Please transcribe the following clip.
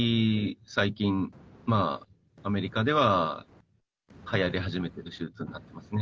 最近、アメリカでは、はやり始めている手術になってますね。